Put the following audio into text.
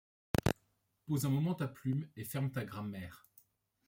Pose un moment ta plume et ferme ta grammaire.